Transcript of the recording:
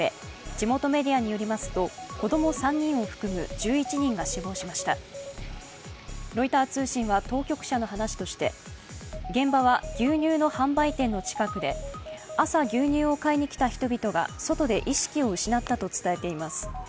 地元メディアによりますと子供３人を含む１１人が死亡しましたロイター通信は当局者の話として現場は牛乳の販売店の近くで、朝牛乳を来たに来た人たちが外で意識を失ったと伝えています。